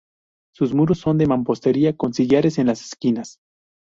Sus muros son de mampostería, con sillares en las esquinas.